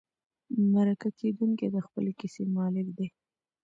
مرکه کېدونکی د خپلې کیسې مالک دی.